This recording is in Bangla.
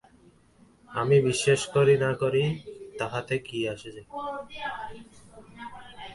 আমি বিশ্বাস করি বা না করি, তাহাতে কী আসে যায়।